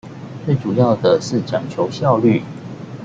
最主要的是講求效率